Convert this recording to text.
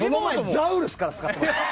ザウルスから使ってますよ。